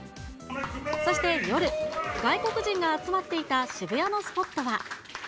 そして、夜、外国人が集まっていた渋谷のスポットは。